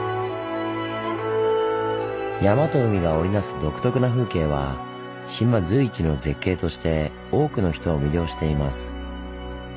山と海が織り成す独特な風景は島随一の絶景として多くの人を魅了しています。